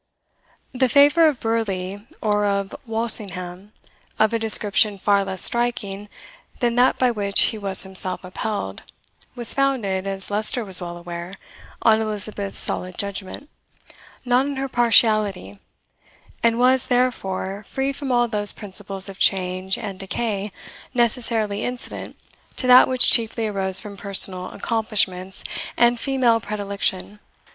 The favour of Burleigh or of Walsingham, of a description far less striking than that by which he was himself upheld, was founded, as Leicester was well aware, on Elizabeth's solid judgment, not on her partiality, and was, therefore, free from all those principles of change and decay necessarily incident to that which chiefly arose from personal accomplishments and female predilection.